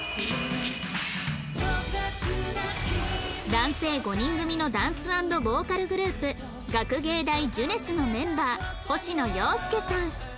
男性５人組のダンス＆ボーカルグループ学芸大青春のメンバー星野陽介さん